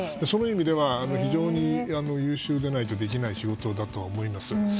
そういう意味では非常に優秀でないとできない仕事だと思います。